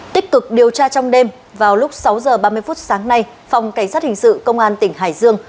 tích cực điều tra trong đêm vào lúc sáu h ba mươi phút sáng nay phòng cảnh sát hình sự công an tỉnh hải dương